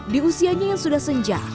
di usianya yang sudah senja